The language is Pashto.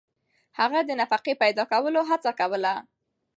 هغه د نفقې پیدا کولو هڅه کوله.